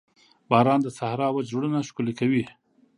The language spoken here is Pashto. باران د صحرا وچ زړونه ښکلي کوي.